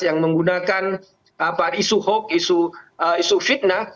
yang menggunakan isu hoax isu fitnah